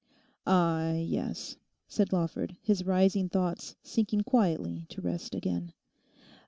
'Ah, yes,' said Lawford, his rising thoughts sinking quietly to rest again.